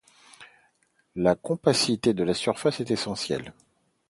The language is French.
La compacité de la surface est essentielle.